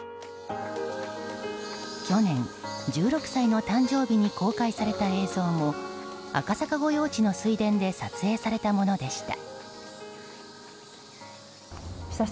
去年、１６歳の誕生日に公開された映像も赤坂御用地の水田で撮影されたものでした。